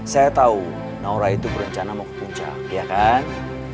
saya tahu naura itu berencana mau ke puncak ya kan